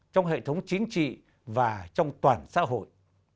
trong hệ thống chính trị và trong toàn xã hội